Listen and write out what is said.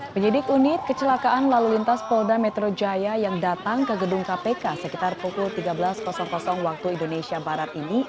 penyidik unit kecelakaan lalu lintas polda metro jaya yang datang ke gedung kpk sekitar pukul tiga belas waktu indonesia barat ini